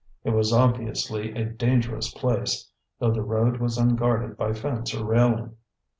It was obviously a dangerous place, though the road was unguarded by fence or railing.